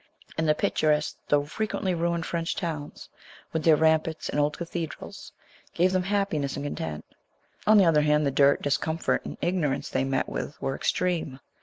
And the picturesque though frequently ruined French towns, MARY AND SHELLEY. 71 with their ramparts and old cathedrals, gave them happiness and content ; on the other hand, the dirt, discomfort, and ignorance they met with were extreme.